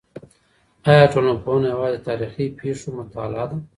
آیا ټولنپوهنه یوازې د تاریخي پېښو مطالعه ده؟